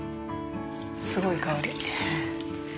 すごい香り。